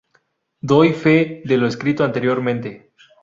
Doy fe de lo escrito anteriormente.